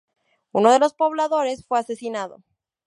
Uno de los pobladores fue asesinado.